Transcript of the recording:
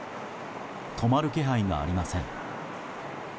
止まる気配がありません。